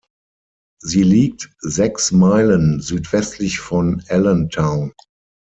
Sie liegt sechs Meilen südwestlich von Allentown.